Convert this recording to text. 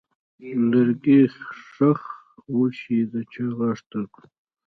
لرګی ښخ و چې د چا غاښ درد و.